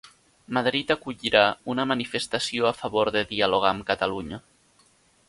Madrid acollirà una manifestació a favor de dialogar amb Catalunya